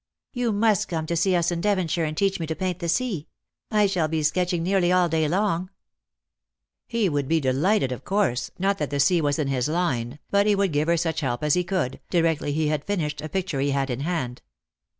" You must come to see us in Devonshire, and teach me to paint the sea. I shall be sketching nearly all day long." 88 Lost for Love. _ He would be delighted, of course, not that the sea was in his line, but he would give her such help as he could, directly he had finished a picture he had in hand.